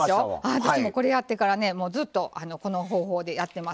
私も、これを知ってからずっとこの方法でやってます。